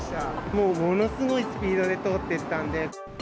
もうものすごいスピードで通っていったんで。